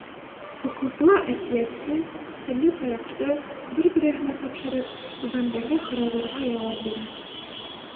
Уҡыусылар әкиәтте, серле таяҡты бер-береһенә тапшырып түбәндәге һорауҙарға яуап бирә: